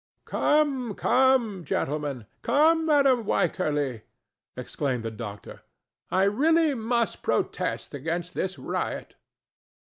"Come, come, gentlemen! Come, Madam Wycherly!" exclaimed the doctor. "I really must protest against this riot."